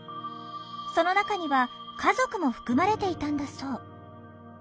その中には家族も含まれていたんだそう。